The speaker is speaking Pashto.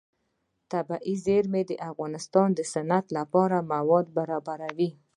طبیعي زیرمې د افغانستان د صنعت لپاره مواد برابروي.